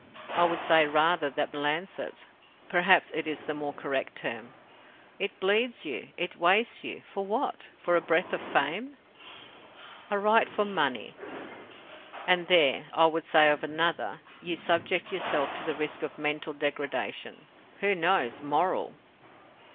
I would say rather, that lancet. Perhaps it is the more correct term. It bleeds you, it wastes you. For what? For a breath of fame!" "I write for money." "And there I would say of another you subject yourself to the risk of mental degradation. Who knows? moral!